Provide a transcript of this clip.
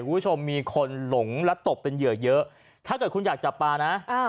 คุณผู้ชมมีคนหลงและตกเป็นเหยื่อเยอะถ้าเกิดคุณอยากจับปลานะอ่า